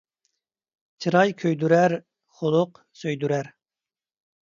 چىراي كۆيدۈرەر، خۇلق سۆيدۈرەر